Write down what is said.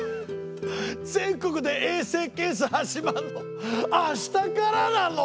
全国で衛生検査始まるのあしたからなの？